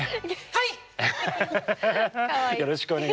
はい！